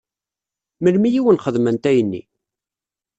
Melmi i wen-xedment ayenni?